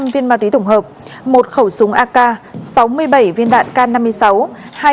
sáu năm trăm linh viên ma túy tổng hợp một khẩu súng ak sáu mươi bảy viên đạn k năm mươi sáu